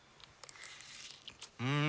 うん！